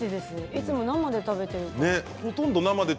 いつも生で食べています。